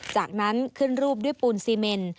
จากนั้นขึ้นรูปด้วยปูนซีเมน